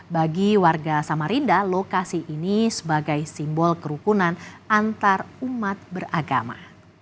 bagi warga samarinda lokasi ini sebagai simbol kerukunan antarumat beragama